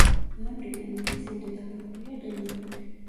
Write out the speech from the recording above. ნოემბრიდან ივლისამდე დაფარულია ყინულით.